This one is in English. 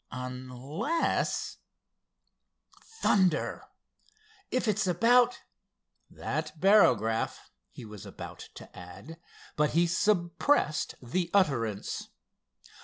"Unless—thunder! if it's about——" "That barograph" he was about to add, but he suppressed the utterance.